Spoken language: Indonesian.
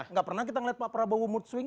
tidak pernah kita lihat pak prabowo mood swing